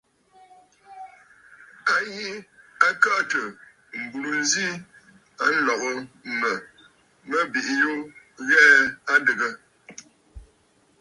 A yi a kəʼə̀tə̀ m̀burə nzi a nlɔ̀gə mə̀ mə bìʼiyu ghɛɛ a adɨgə.